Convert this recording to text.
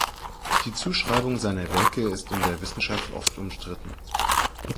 Die Zuschreibung seiner Werke ist in der Wissenschaft oft umstritten.